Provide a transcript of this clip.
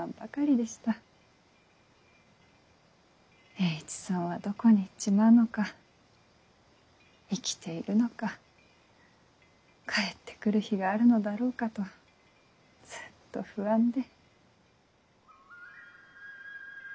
栄一さんはどこに行っちまうのか生きているのか帰ってくる日があるのだろうかとずっと不安で。